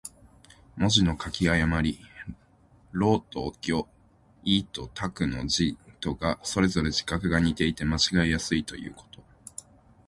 文字の書き誤り。「魯」と「魚」、「亥」と「豕」の字とが、それぞれ字画が似ていて間違えやすいということ。